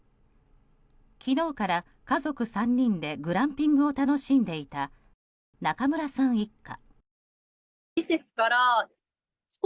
昨日から家族３人でグランピングを楽しんでいた中村さん一家。